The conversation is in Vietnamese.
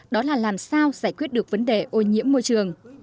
đó là làm sao giải quyết được vấn đề ô nhiễm môi trường